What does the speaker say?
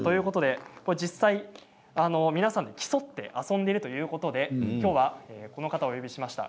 実際、皆さんで競って遊んでいるということできょうはこの方をお呼びしました。